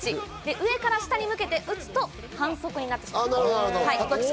上から下に向けて打つと反則になってしまうんです。